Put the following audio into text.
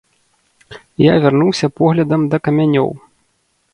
Я вярнуўся поглядам да камянёў.